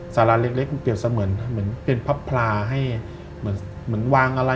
สาลาเล็กเปรียบเหมือนเป็นพับพลาให้เหมือนวางอะไร